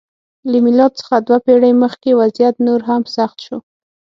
له میلاد څخه دوه پېړۍ مخکې وضعیت نور هم سخت شو.